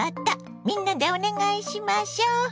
みんなでお願いしましょ。